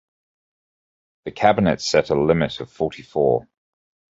The cabinet set a limit of forty-four.